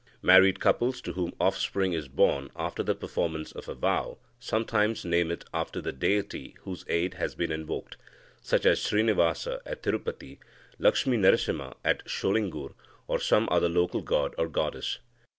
Married couples, to whom offspring is born after the performance of a vow, sometimes name it after the deity whose aid has been invoked, such as Srinivasa at Tirupati, Lakshminarasimha at Sholingur, or some other local god or goddess.